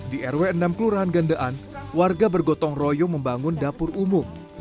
di rw enam kelurahan gandean warga bergotong royong membangun dapur umum